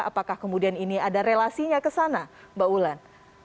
apakah kemudian ini ada relasinya ke sana mbak ulan